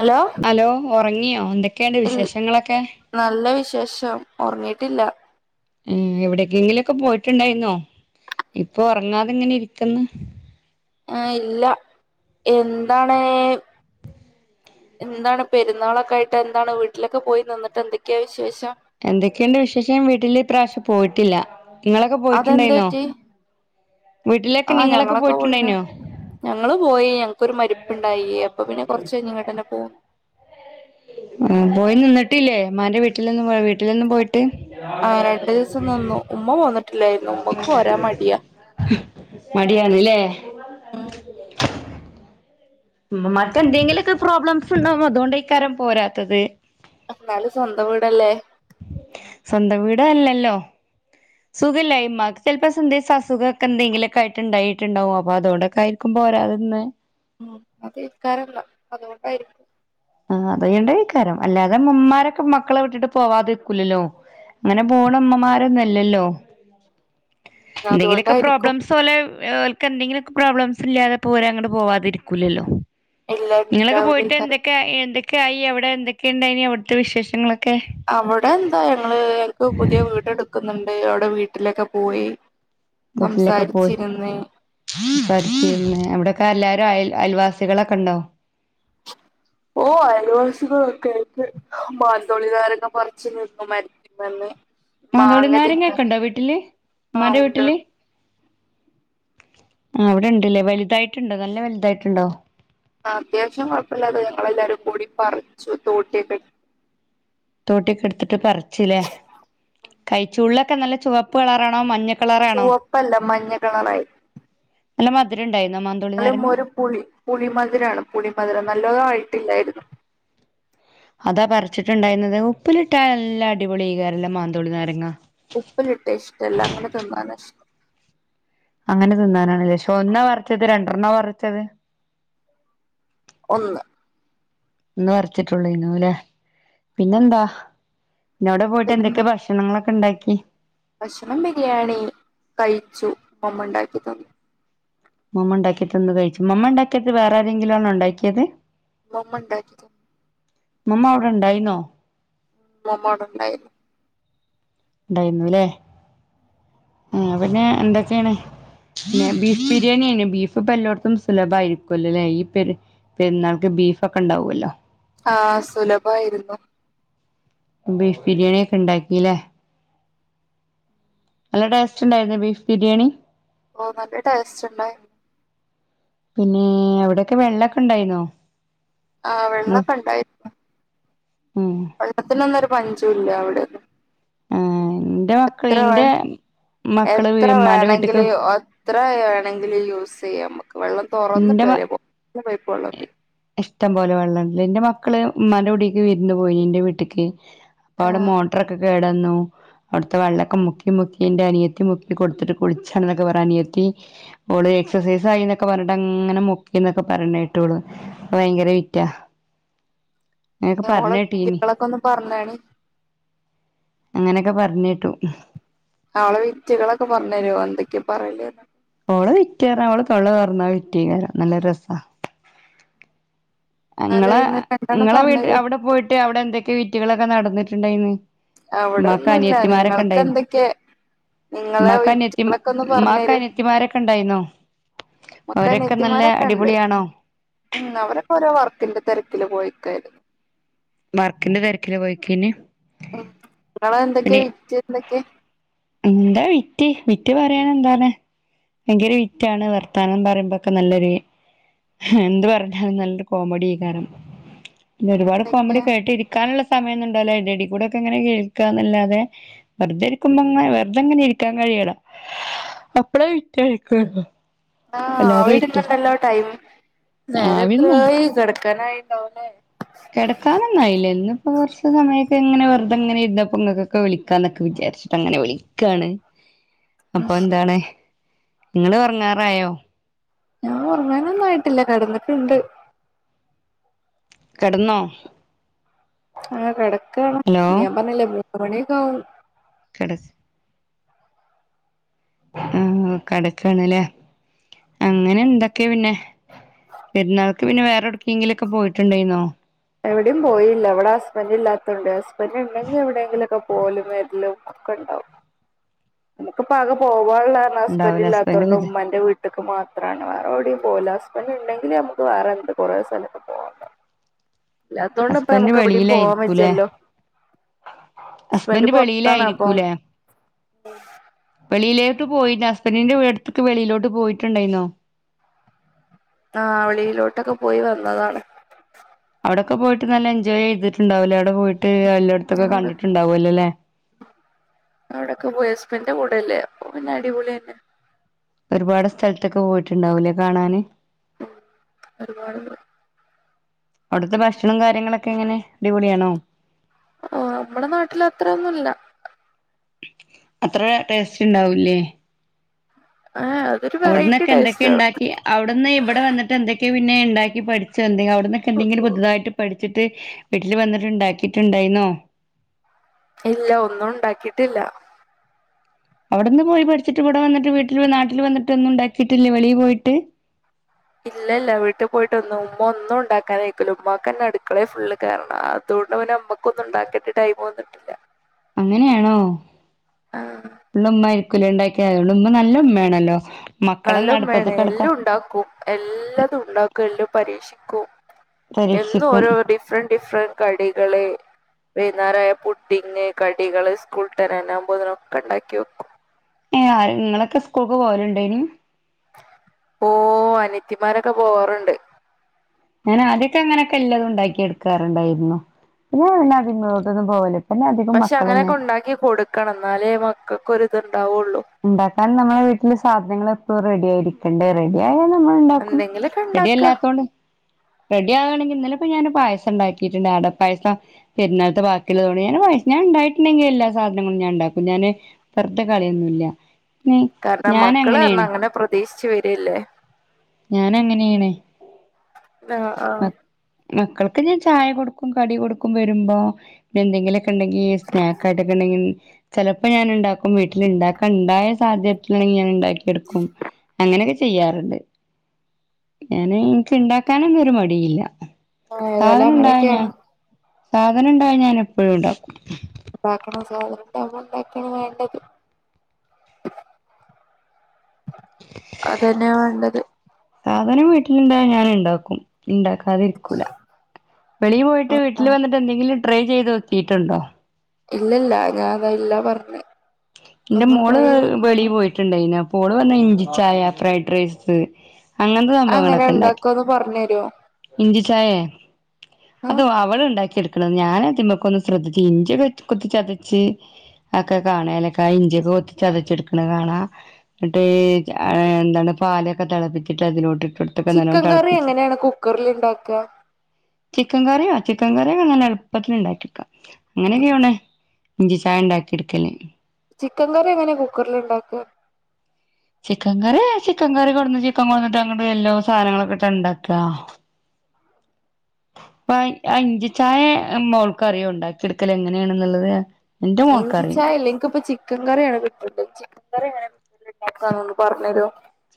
Hello ഒറങ്ങിയോ എന്തൊക്കെയുണ്ട് വിശേഷങ്ങളൊക്കെ? ഇല്ല ഒറങ്ങീട്ടില്ല- ഉം എവിടെക്കെങ്കിലൊക്കെ പോയിട്ടുണ്ടായിരുന്നോ? ഇപ്പൊ ഒറങ്ങാതിങ്ങനെ ഇരിക്ക്ന്ന്- ആഹ് ഇല്ല എന്താണ്- എന്താണ് പെരുന്നാളൊക്കെ ആയിട്ട് എന്താണ് വീട്ടിലൊക്കെ പോയി നിന്നിട്ട് എന്തൊക്കെയാ വിശേഷം- എന്തൊക്കെയുണ്ട് വിശേഷം വീട്ടില് ഇപ്രാവശ്യം പോയിട്ടില്ല ഇങ്ങളൊക്കെ പോയിട്ടുണ്ടായിന്നോ? വീട്ടിലൊക്കെ ആഹ് നിങ്ങളൊക്കെ ഞങ്ങളൊക്കെ പോയിന്ന്- പോയിട്ടുണ്ടായിനോ ഞങ്ങള് പോയി ഞങ്ങക്കൊരു മരിപ്പുണ്ടായി അപ്പൊ പിന്നെ കൊറച്ച് കയിഞ്ഞ് ഇങ്ങട്ടന്നെ പോന്നു- ഉം പോയി നിന്നിട്ടില്ലേ മാന്റെ വീട്ടിലെന്നു- ട്ടിലൊന്നും പോയിട്ട്- ആ രണ്ടു ദിവസം നിന്നു ഉമ്മ പോന്നിട്ടില്ലായിരുന്നു ഉമ്മക്ക് പോരാൻ മടിയാ മടിയാണില്ലേ? ഉം മ് മറ്റെന്തെങ്കിലുമൊക്കെ പ്രോബ്ലംസ് ഉണ്ടാവ് അതുകൊണ്ടാ ഇക്കാരം പോരാത്തത്- എന്നാലും സ്വന്തം വീടല്ലേ- സ്വന്തം വീട് അല്ലല്ലോ - സുഖഇല്ലായിമ മക്കൾസ്ക്കെ [unintelligible] അസുഖൊക്കെ എന്തെങ്കിലൊക്കെ ആയിട്ടുണ്ടായിട്ടുണ്ടാവും അപ്പൊ അതോണ്ടൊക്കെ ആയിക്കും- പോരാതിന്ന്- ഉം അതിക് ഇക്കാറില്ല അതുകൊണ്ടായിരിക്കും- ആഹ് അതണ്ടയിക്കാരം അല്ലാതെ മുമ്മാരൊക്കെ മക്കളെ വിട്ടിട്ട് പോവാതിരിക്കൂലല്ലോ- അങ്ങനെ പോണ ഉമ്മമാരൊന്നുല്ലല്ലോ എന്തെങ്കിലൊക്കെ അതുകൊണ്ടായിരിക്കും പ്രോബ്ലംസ് ഓലെ- ഓലക്ക് എന്തെങ്കിലൊക്കെ പ്രോബ്ലംസ് ഇല്ലാതെ പോര അങ്ങോട്ട് പോവാതിരിക്കൂല്ലല്ലോ- എല്ലവരും ഡൗളി കർ- എന്തൊക്കെയി അവിടെ എന്തൊക്കെണ്ടായിനി അവിടുത്തെ വിശേഷങ്ങള്- അവ്ടെന്താ ഞങ്ങള് ഞങ് ക്ക് പുതിയ വീടെട്ക്ക്ന്ന്ണ്ട്. അവടെ വീട്ടിലക്കെ പോയി. വീട്ടിലൊക്കെ പോയി സംസാരിച്ചിരുന്ന് പ [unintelligible] അവിടെ പ്പഎല്ലാരും അയൽ അയൽവാസികളൊക്കണ്ടോ ഓ അയൽവാസികളൊക്കായിട്ട് മാത്തോളി നാരങ്ങ പറിച്ചു മരത്മന്ന് മാത്തോളിനാരങ്ങെക്കെണ്ടോ വീട്ടില് ആ മ്മാന്റെ ഉണ്ട് വീട്ടില് ആഹ് അവിടേണ്ട് ലേ വലുതായിട്ട്ണ്ടോ നല്ല വൽതായിട്ട്ണ്ടോ ആഹ് അത്യാവശ്യം കൊഴപ്പല്ലാതെ ഞങ്ങളെല്ലാരും കൂടി പറിച്ചു. തോട്ടി ഒക്കെട് തോട്ടിക്കെട്ത്തിട്ട് പറിച്ചു ലേ കൈ ച്ചുള്ളൊക്കെ നല്ല ചുവപ്പ് കളറാണോ മഞ്ഞ കളറാണോ ചുവപ്പല്ല മഞ്ഞ കളറായി നല്ല മധുരണ്ടായി അല്ല ഒരു പുളി പുളിമധുരാണ് പുളിമധുരം നല്ലതായിട്ടില്ലായിരുന്നു അതാ പറിച്ചിട്ട്ണ്ടായിരുന്നത്. ഉപ്പിലിട്ടാ നല്ല അടിപൊളിയ്ക്കാരല്ലോ മാന്തോളി നാരങ്ങാ ഉപ്പിലിട്ട ഇഷ്ട്ടല്ല അങ്ങനെ തിന്നാന ഇഷ്ട്ടം അങ്ങനെ തിന്നാനാണെലെ പഷേ ഒന്നാ പറിച്ചത് രണ്ടെണ്ണാ പറിച്ചത് ഒന്ന് ഒന്ന് പറിച്ച്ട്ടോള്ളയ്നു ലെ പിന്നെന്താ പിന്നവടെ പോയിട്ട് എന്തൊക്കെ പിന്നെന്താ ഭക്ഷണങ്ങളൊക്കെണ്ടാക്കി ഭക്ഷണം ബിരിയാണി കഴിച്ചു. മമ്മണ്ടാക്കി തന്നു. മമ്മ ഉണ്ടാക്കിതന്നത് കഴിച്ചു മമ്മണ്ടാക്കേത് വേറാരെങ്കിലാണോ ണ്ടാക്ക്യേത് മമ്മണ്ടാക്കി തന്നു മമ്മ അവടെ ണ്ടായ്ന്നോ മ് മമ്മാവടെ ണ്ടായ്ന്നു ണ്ടായിന്നൂലെ ആഹ് പിന്നെ എന്തൊക്കെണ് പിന്ന ബീഫ് ബിരിയാണിയ്നു ബീഫ് ഇപ്പ എല്ലോട്ത്തും സുലഭയിരിക്കോല്ലലെ ഈ പെര് പെരുന്നാൾക്ക് ബീഫൊക്കെ ണ്ടാവോലോ ആഹ് സുലഭായിര്ന്നു. ബീഫ് ബിരിയാണിക്കെ ണ്ടാകീലേ നല്ല ടേസ്റ്റ് ണ്ടായിര്ന്നോ ബീഫ് ബിര്യാണി ഓ നല്ല ടേസ്റ്റ് ണ്ടായ്നു. പിന്നെ എവടെക്കെ വെള്ളക്കെ ണ്ടായിന്നോ ആഹ് വെള്ളൊക്കെ ഉണ്ടായിര് ന്നു ഉം വെള്ളത്തിനൊന്നൊര് പഞ്ചോല്ല അവടെന്നും ഏ ഇന്റെ മക്കള് ഇന്റെ മക്കള് എത്ര ഇമ്മാന്റെ വീട്ട്ക്ക് വേണമെങ്കിലും എത്ര വേണെങ്കിലും യൂസ് ചെയ്യാ ഞമ്മക്ക് ഇന്റെമ വെള്ളം ഇഷ്ട്ടം പോലെ വെള്ളണ്ട്ലേ ഇന്റെ മ മക്കള് മ്മാന്റെ കൂടീക്ക് വിര്ന്ന് നപോയി ഇന്റെ വീട്ട്ക്ക് അപ്പ ആ അവടെ മോട്ട്റൊക്കെ കേടന്നു അവ്ട്ത്തെ വെള്ളൊക്കെ മുക്കി മുക്കീന്റെ അനിയത്തി മുക്കി കൊടുത്തിട്ട് കുടിച്ചാണ് ന്നൊക്കെ പറഞ്ഞു അനിയത്തി ഓള് എക്സ സൈസായിന്നൊക്കെ പർഞ്ട്ട് ണ്ടങ്ങനെ മുക്കി എന്നൊക്കെ പറീണെട്ടു. ഓള് ഭയങ്കര വിറ്റാ അങ്ങനൊക്കെ ഓളെ പറഞ്ഞ് വിറ്റ്കളൊക്കൊന്ന് പർഞ്ഞാണിം അങ്ങനെക്കെ പറഞ്ഞേട്ടു. ഓളെ വിറ്റുകളളൊക്കെ പർഞ്ഞേരോ എന്തൊക്കെ പറേല്ന്ന് ഓളെ വിറ്റ് പറഞ്ഞാ ഓള് തൊള്ള തൊറന്നാ വിറ്റ്യേക്കാരം നല്ലരസാ എന്നാല് ങ്ങളെ ഇന്ന് രണ്ടെണ്ണം ങ്ങളെ വീ പറഞ്ഞരോ അവടെ പോയിട്ട് അവടെ എന്തൊക്കെ വീറ്റുകളൊക്കെ നടന്ന്ട്ട്ട്ടുണ്ടായിന്ന് അവിടെ മ്മാക്ക് ഒന്നുല്ല അനിയത്തിമാരക്കെ നിങ്ങൾക്ക് ണ്ടായ്ന് എന്തൊക്കെ നിങ്ങളെ മ്മാക്ക് വിറ്റുകളൊക്കെ ഒന്ന് പറഞ്ഞരൂ അനിയത്തിമാരൊക്കെ ണ്ടായ്ന്നോ മ്മക്ക് അനിയത്തിമാരോക്കെണ്ട് മ് അവരൊക്കോരോ വർ ക്കിന്റെ തെരക്കില് പോയിക്കാര്ന്നു. വർക്കിന്റെ തെരക്കില് പോയ്ക്കേന് മ് ങ്ങളെ എന്തൊക്കേ വിറ്റ് എന്തൊക്കേ എന്താ വിറ്റ് വിറ്റ് പറയാനെന്താണ് ഭയങ്കര വിറ്റാണ് വർത്താനം പറയുമ്പൊക്കെ നല്ലൊരു എന്ത് പറഞ്ഞാലും നല്ലൊരു കോമഡി കാരം പിന്നെ ഒരുപാട് കോമഡി എന്തൊക്കെയാ കേട്ടിരിക്കാനുള്ള സമയയോണ്ടാവല്ലോ അയിന്റെ എടേകൂടി കേക്കാന്നല്ലാതെ വെറതെയിരിക്കുമ്പോ അങ്ങനെ വെറുതെങ്ങനെ ഇരിക്കാൻ കഴി കേടാ അപ്പള വിറ്റഴിക്കോള്ളൂ ആഹ് ആവിട്ന്നുണ്ടല്ലോ ടൈം ആവിന്നെ കെടക്കാനായില്ലോല്ലേ കിടക്കാനൊന്നായില്ല ഇന്നിപ്പോ കുറച്ച് സമയൊക്കെ ഇങ്ങനെ വെറു ഇങ്ങനെ ഇരുന്നപ്പൊങ്ങൾക്കൊക്കെ വിളിക്കാന്നൊക്കെ വിചാരിച്ചിട്ട് അങ്ങനെ വിളിക്കാണ് അപ്പൊ ശ് എന്താണ് നിങ്ങള് ഒറങ്ങാറായോ ഞാൻ ഒറങ്ങാനൊന്നും ആയിട്ടില്ല കെടന്നിട്ടോണ്ട് കെടന്നോ ആഹ കെടക്കാണ് ഞാൻ പറഞ്ഞില്ലേ മൂന്ന് മണിയൊക്കെ ആവും കെട ആ കെടക്കണല്ലേ അങ്ങനെ എന്തൊക്കെയാ പിന്നെ പെരുന്നാൾക്ക് പിന്നെ വേറെടക്കെങ്കിലൊക്കെ പോയിട്ടുണ്ടായിന്നോ എവിടെയും പോയില്ല ഇവിടെ ഹസ്ബൻഡ് ഇല്ലാതൊണ്ടേ ഹസ്ബൻഡ് ഇണ്ടെങ്കിൽ എവിടെയെങ്കിലൊക്കെ പോവലും വരലും ഒക്കെണ്ട് നമുക്കിപ്പോ ആകെ പോവാനുള്ളെ ഹസ്ബൻഡ് ഉണ്ടാവൂല ഇല്ലാത്തോണ്ട് ഹസ്ബൻഡ് ഉമ്മന്റെ വീട്ടി ല്ക്ക് മാത്രമണ് വേറെടെയും പോവൂല ഹസ്ബൻസ് ഇണ്ടെങ്കിൽ അമ്മ്ക്ക് വേറെ എന്ത് കൊറെേ സ്ഥലത്ത് പോവാണ്ട് ഹസ്ബൻഡ് വെളിയിലായിരിക്കൂല്ലേ വെജ്ജല്ലോ ഹസ്ബൻഡ് പൊറത്താണ് അപ്പം വെളിയിലായിരിക്കൂല്ലേ വെളിയിലേട്ട് പോയി ഹസ്ബൻഡിന്റെ അടുത്തേക്ക് വെളിയിലോട്ട് പോയിട്ടുണ്ടായിന്നോ ആഹ വെളിയിലോട്ടൊക്കെ പോയി വന്നതാണ് അവിടൊക്കെ പോയിട്ട് നല്ല എൻജോയ് ചെയ്തിണ്ടാവുല്ലേ അവിടെ പോയിട്ട് ട്ട് എല്ലായിടത്തൊക്കെ അവിടെ കണ്ടിട്ടുണ്ടാവല്ലോല്ലേ ഓൻ പിന്നെ അടിപൊളിതന്നെ ഒരുപാട് സ്ഥലത്തൊക്കെ പോയിട്ടുണ്ടാവൂല്ലേ കാണാന് ഉം ഒരുപാട് അവിടുത്തെ ഭക്ഷണം കാര്യങ്ങളൊക്കെ എങ്ങനെ അടിപൊളിയാണോ നമ്മടെ നാട്ടിൽ അത്രൊന്നുല്ല അത്ര ടേസ്റ്റ് ഉണ്ടാവൂല്ലേ ഏഹ് അതൊരു വെറൈറ്റി അവിടന്നൊക്കെ എന്തൊക്കെ ടേസ്റ്റാണ് ഇണ്ടാക്കി അവിടുന്ന് ഇവിടെ വന്നിട്ട് എന്തൊക്കെ പിന്നെ ഇണ്ടാക്കി പഠിച്ചോ എന്തെങ്കിൽ അവിടുനൊക്കെ എന്തെങ്കിലും പുതുതായിട്ട് പഠിക്കു വച്ചിട്ട് വീട്ടില് വന്നിട്ട് ഇണ്ടാക്കിട്ടുണ്ടായിനോ ഇല്ല ഒന്നും ഉണ്ടാക്കിട്ടില്ല അവിടെന്ന് പോയി പഠിച്ചിട്ട് ഇവിടെ വന്നിട്ട് വീട്ടിൽ നാട്ടിൽ വന്നിട്ട് ഒന്നും ഉണ്ടാക്കിട്ടില്ല വെളിൽ പോയിട്ട് ഇല്ല ഇല്ല വീട്ടിൽ പോയിട്ടൊന്ന് ഉമ്മ ഒന്നും ഉണ്ടാക്കാനയിക്കൂല ഉമ്മാക്ക് അന്നെ അടുക്കളേല് ഫുള്ള് കേറണം അതും അത്കൊണ്ട് മ്മക്ക് ഒന്നുംണ്ടാക്കനായിട്ട് ടൈം വന്നിട്ടില്ല അങ്ങനെയാണോ ആ ഫുള്ള്മ്മ ആയിരിക്കുലെ ഇണ്ടാക്കിയെ അത്കൊണ്ട് ഉമ്മ നല്ല ഉമ്മയാണല്ലോ മക്കളെ നല്ല അടുപ്പത്ത് ഉമ്മയാണ് കിടക്ക എല്ലാം ഉണ്ടാക്കും എല്ലാതും ഉണ്ടാക്കും എല്ലാം പരീക്ഷിക്കൂ എന്നും പരീക്ഷിക്കും ഓരോ ഡിഫന്റ് ഡിഫന്റ് കടികള് വേന്നേരയ പുട്ടിങ്ങ് കടികള് സ്കൂൾ ട്ടവരനാമ്പോ ഇതിനൊക്കെ മ ഇണ്ടാക്കി വെക്കും ഏ നിങ്ങളൊക്കെ സ്കൂൾക്ക് പോവലുണ്ടേനു ഓ അനിത്തിമാരൊക്കെ പോവാറുണ്ട് ഞാന് ആദ്യൊക്കെ അങ്ങനെയൊക്കെ എല്ലാതും ഉണ്ടാക്കി എടുക്കാറുണ്ടായിരുന്നു പിന്നെ അതിലൊട്ടൊന്നും പോവലില്ല പക്ഷെ അങ്ങനൊക്കെ ഒണ്ടാക്കി കൊടുക്കണം എന്നാലേ മക്കക്കൊരു ഇണ്ടാക്കാൻ നമ്മളെ വീട്ടില് സാധനങ്ങൾ എപ്പോഴും റെഡി ആയിരിക്കണ്ടേ റെഡി ആയി നമ്മള് ഇണ്ടാക്കും എന്തെങ്കിലുമൊക്കെ റെഡി ഉണ്ടാക്കുക യല്ലാത്തോണ്ട് റെഡിയാകാണെങ്കി ഇന്നലെപ്പൊ ഞാന് പായസം ഇണ്ടാക്കീട്ട്ണ്ട് അടപ്പായസം പെരുന്നാൾത്ത ബാക്കിള്ളതോണ്ട് ഞാന് ഞാ ഇണ്ടായിട്ട്ണ്ടെങ്കി എല്ലാ സാധനങ്ങളും ഞാണ്ടാക്കും ഞാന് വെറ്തെ കളയൊന്നുല്ല കാരണം ഞാൻ മക്കള് അറഞ അങ്ങനെയാണ് അങ്ങനെ പ്രതീക്ഷിച്ച് വരല്ലെ ഞാൻ അങ്ങനെയാണ് ആഹ് ആഹ് ഒക്കെ ഞാ ചായ കൊടുക്കും കടി കൊടുക്കും വരുമ്പോ എന്തെങ്കിലൊക്കെ ഇണ്ടെങ്കി സ്നാക്കായിട്ടൊക്കെണ്ടെങ്കി ചിലപ്പൊ ഞാന് ഇണ്ടാക്കും വീട്ടില് ഇണ്ടാക്ക ഇണ്ടായ സാധ്യത്തിലണെങ്കി ഞാന് ഇണ്ടാക്കിയെടുക്കും അങ്ങനൊകെ ചീ ചെയ്യാറ്ണ്ട് ഞാന് ഇൻക്ക് ഇണ്ടാക്കാനൊന്നും ഒര് മടിയുല്ല ആഹ് ഏതായാലും സാധനം ഇണ്ടായ ഞാൻ അങ്ങനെയൊക്കെയാണ് സാധനം ഇണ്ടായ ഞാനെപ്പഴും ഇണ്ടാക്കും ഇതാക്കണം സാധനണ്ടാവുമ്പൊ ഇണ്ടാക്കാണ് വേണ്ടത് [inaudible] അതെന്നേ വാണ്ടത് ഓന് വീട്ടില്ണ്ടായ ഞാന്ണ്ടാക്കും ഇണ്ടാക്കും അതിര്ക്കൂല വെളിയിൽ പോയിട്ട് വീട്ടില് വന്നിട്ട് എന്തെങ്കിലും ട്രൈ ചെയ്തീക്കീട്ടുണ്ടൊ ഇല്ലല്ല ഞാനല്ലാ പറഞ്ഞെ ഇന്റെ മോള് വെളീ പോയിട്ട്ണ്ടായിനു അപൊ ഓള് വന്ന ഇഞ്ചി ച്ചായ ഫ്രൈഡ് റൈസ് അങ്ങൻത്തെ അതെങ്ങനെ സംഭവങ്ങളൊക്കെണ്ടാക്കി ഉണ്ടാക്കാന്ന് പറഞ്ഞു തരുവോ ഇഞ്ചി ചായെ അത് ആഹ് അവള്ണ്ടാക്കി എട് ഞാന തിമക്കൊന്നും ശ്രദ്ധിച്ചി ഇഞ്ചികെ കുത്തിച്ചതച്ച് ഒക്കെ കാണലൊ ഇഞ്ചിയൊക്കെ കുത്ത് ചതച്ചെടുക്ക്ണ കാണാ ഇന്ന്ട്ട് എന്തണ് പാലൊക്കെ തളപ്പിച്ച് അതിലോട്ട് ഇട്ടൊടുത് ചിക്കൻ കറി എങ്ങനാണ് കുക്കറില്ണ്ടാക്ക ചിക്കൻ കറിയൊ ചിക്കൻ കറിയൊങ്ങനെ എള്പ്പത്തിന് ഇണ്ടാക്കിടുക്ക ഇങ്ങനെയൊ ഇഞ്ചി ചായണ്ടാക്കി ഇട്ക്കല് ചിക്കൻ കറി എങ്ങനെ കുക്കറില്ണ്ടാക്ക ചിക്കൻ കറീ ചിക്കൻ കറി കൊടുന്ന് ചിക്കൻ കൊട്ന്ന്ട്ട് അങ്ങ്ട്ട് എല്ലോ സാധനങ്ങളൊക്കെ ഇട്ടങ്ങ് ഇണ്ടാക്കാ പ്പ ഇഞ്ചി ചായ മോൾക്കറിയൊ ഇണ്ടാക്കി ഇടുക്കല് എങ്ങനെയാണ്ന്ന്ള്ളത് ഇഞ്ചി ചായല്ലന്ക്ക്പൊ ചി ചിക്കൻ കറിയാണ് കിട്ടണ്ടത് ചിക്കൻ കറി എങ്ങനെണ്ടാകാന്ന് പറഞ്ഞെരോ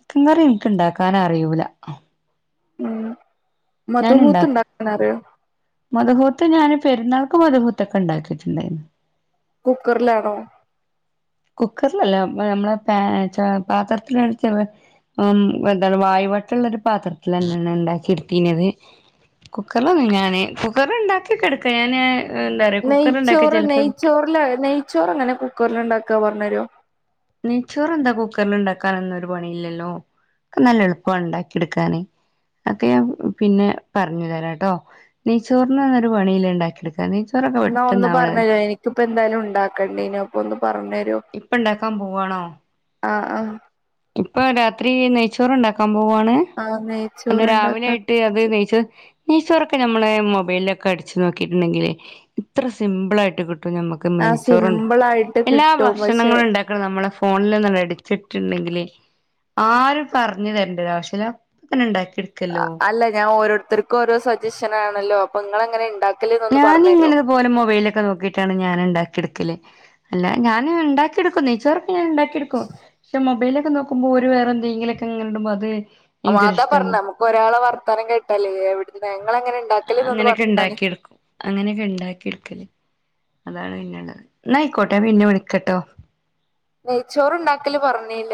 ക്കൻ കറി ഇന്ക്ക് ഇണ്ടാക്കാനറിയൂല ഉം മധ്മൂത്ത്ണ്ടാക്കാനറിയോ മധുഹൂത്ത് ഞാന് പെരുന്നാൾക്ക് മധുഹൂത്തൊക്കെ ഇണ്ടാക്കീട്ട്ണ്ടെയ്നു കുക്കർലാണൊ കുക്കർലല്ല നമ്മളെ പാ പാത്രത്തിലാ എന്താണ് വായു വട്ട്ള്ള ഒരു പാത്രത്തിലന്നെയാണ് ഞാന് ഇണ്ടാക്കി ഇട്ത്തീന്നത് കുക്കറിലൊന്നും ഞാന് കുക്കറില് ഇണ്ടാക്കിക്കെടുക്ക ഞാന് എന്താ പറയാ കുക്കറില്ണ്ടാക്കിയ നെയ്ച്ചോറ് ചെലപ്പം നെയ്ച്ചോറ്ല് നെയ്ച്ചോറ് എങ്ങനെ കുക്കറ്ല് ഇണ്ടാക്ക പറഞ്ഞേരൊ നെച്ചോറെന്താ കുക്കറില്ണ്ടാക്കാനൊന്നും ഒര് പണിയില്ലല്ലൊ നല്ല എളുപ്പ ഇണ്ടാക്കി ഇട്ക്കാന് അതൊക്കെ ഞാ പിന്നെ പറഞ്ഞ് തരാട്ടൊ നെയ്ച്ചോറിനൊന്നൊരു പണീല ഇണ്ടാക്കിടുക്കാന് ന്നാ ഒന്ന് പറഞ്ഞ് തരിം ഇനിക്കിപ്പൊ എന്തായാലും ഇണ്ടാക്കണ്ടീനു അപ്പൊ ഒന്ന് പറഞ്ഞരോ ഇപ്പ ഇണ്ടാക്കാപോവാണൊ ആഹ് ആഹ് ഇപ്പ രാത്രി നെയ്ച്ചോറ് ഇണ്ടാക്ക പോവാണ് ആഹ് അത് നെയ്ച്ചോറുണ്ടാക്കാൻ രാവിലായിട്ട് അത് നെയ്ച് നെയ്ചോറൊക്കെ ഞമ്മളെ മൊബൈലൊക്കെ അടിച്ച് നോക്കീട്ട്ണ്ടെങ്കില് ഇത്ര സിമ്പിളായിട്ട് കിട്ട നമ്മക്ക് ആഹ് മരിച്ചോറ്ണ്ട് സിമ്പിൾ ആയിട്ട് എല്ലാ കിട്ടും പക്ഷെ ഭക്ഷണങ്ങള്ണ്ടാക്ക നമ്മളെ ഫോണിൽന്ന അടിച്ചിട്ട്ണ്ടെങ്കില് ആരും പറഞ്ഞ് തരണ്ട ഒരിവശ്യല്ല അപ്പ തന്നെ ഇണ്ടാക്കി അല്ല ഞാൻ ഓരോരുത്തർക്കും ഓരോ സജക്ഷനാണല്ലൊ അപ്പൊ ഇങ്ങളെങ്ങനെ ഇണ്ടാക്ക ഞാൻ ഇങ്ങനെ പോലെ മൊബൈലിലൊക്കെ നോക്കിട്ടാണ് ഞാൻ ഉണ്ടാക്കി എടുക്കല് അല്ല ഞാൻ ഉണ്ടാക്കിയെടുക്കും നെയ്ച്ചോറൊക്കെ ഞാൻ ഉണ്ടാക്കിയെടുക്കും പക്ഷെ മൊബൈല് ഒക്കെ നോക്കുമ്പോ ഒരു വേറെന്തെങ്കിലൊക്കെ ഇങ്ങനിടുമ്പോ അത് അതാ പറഞ്ഞെ എനിക്കൊരിഷ്ടമാണ് നമുക്ക് ഒരാളെ വർത്താനം കേട്ടാലേ എവിടുന്നാന്ന് അങ്ങനെയൊക്കെ ഇണ്ടാക്കി എടുക്കും അങ്ങനെയൊക്കെ ഉണ്ടാക്കി എടുക്കല് അതാണ് പിന്നെയൊള്ളത് എന്നാ ആയിക്കോട്ടെ പിന്നെ വിളിക്കാട്ടോ നെയ്ച്ചോറുണ്ടാക്കല് പറഞ്ഞേയില്ല